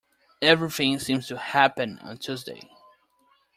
Everything seems to happen on Tuesday.